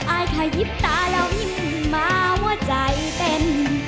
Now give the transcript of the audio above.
อ้ายขายิบตาแล้วหิ่นมาหัวใจเต็น